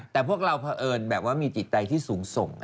แต่พวกเราแบบมีจิตใจที่สูง